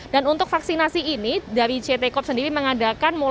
dan untuk vaksinasi ini dari ct corp sendiri mengadakan